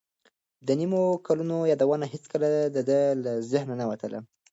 د نویمو کلونو یادونه هیڅکله د ده له ذهنه نه وتل.